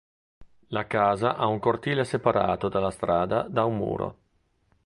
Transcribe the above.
La casa ha un cortile separato dalla strada da un muro.